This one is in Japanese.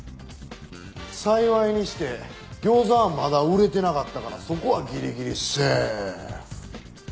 幸いにして餃子はまだ売れてなかったからそこはギリギリセーフ。